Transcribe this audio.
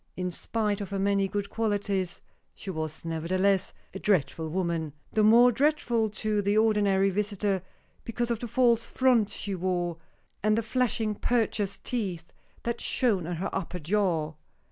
In spite of her many good qualities, she was, nevertheless, a dreadful woman; the more dreadful to the ordinary visitor because of the false front she wore, and the flashing purchased teeth that shone in her upper jaw.